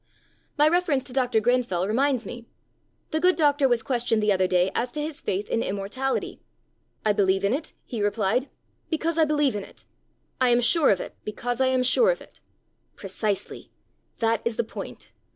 My reference to Dr. Grenfell reminds me. The good doctor was questioned the other day as to his faith in immortality. 'I believe in it,' he replied, 'because I believe in it. I am sure of it, because I am sure of it.' Precisely! That is the point.